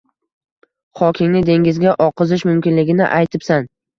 Xokingni dengizga oqizish mumkinligini aytibsan